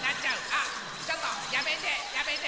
あちょっとやめてやめて。